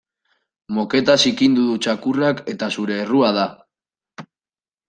Moketa zikindu du txakurrak eta zure errua da.